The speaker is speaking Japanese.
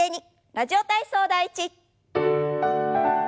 「ラジオ体操第１」。